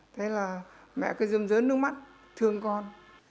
thế là mẹ cứ rơm rớm nước mắt thương con